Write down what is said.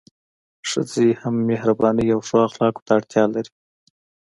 ښځي هم مهربانۍ او ښو اخلاقو ته اړتیا لري